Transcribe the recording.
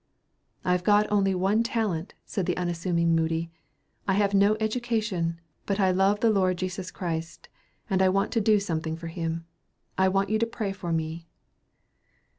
"I have got only one talent," said the unassuming Moody. "I have no education, but I love the Lord Jesus Christ, and I want to do something for him. I want you to pray for me."